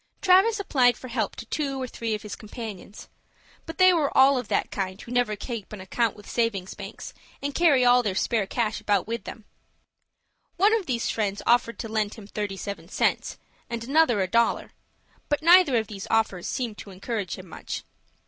Travis applied for help to two or three of his companions; but they were all of that kind who never keep an account with savings banks, but carry all their spare cash about with them. One of these friends offered to lend him thirty seven cents, and another a dollar; but neither of these offers seemed to encourage him much.